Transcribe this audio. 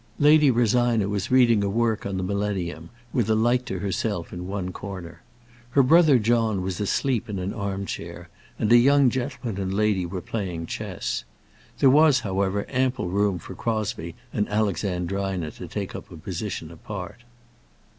Lady Rosina was reading a work on the Millennium, with a light to herself in one corner. Her brother John was asleep in an arm chair, and a young gentleman and lady were playing chess. There was, however, ample room for Crosbie and Alexandrina to take up a position apart.